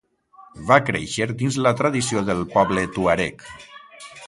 Va créixer dins la tradició del poble tuareg.